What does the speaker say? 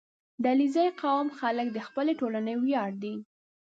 • د علیزي قوم خلک د خپلې ټولنې ویاړ دي.